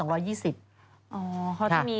อ๋อเขาจะมีเข้าตรงอยู่ด้วยปกติ